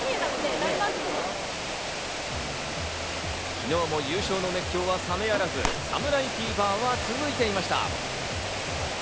昨日も優勝の熱狂は冷めやまず、侍フィーバーは続いていました。